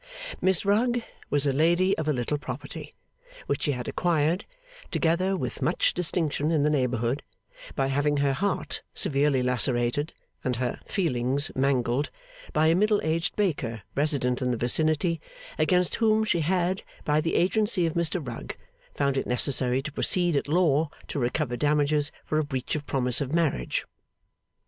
Miss Rugg was a lady of a little property which she had acquired, together with much distinction in the neighbourhood, by having her heart severely lacerated and her feelings mangled by a middle aged baker resident in the vicinity, against whom she had, by the agency of Mr Rugg, found it necessary to proceed at law to recover damages for a breach of promise of marriage.